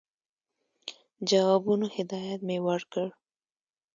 جوابونو هدایت مي ورکړ.